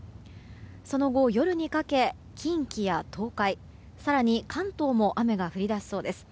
その後、夜にかけ近畿や東海更に関東も雨が降り出しそうです。